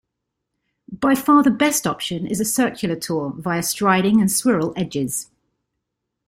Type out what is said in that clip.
By far the best option is a circular tour via Striding and Swirral Edges.